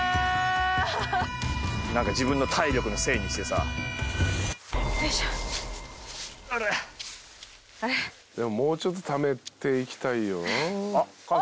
なんか自分の体力のせいにしてさもうちょっとためていきたいよ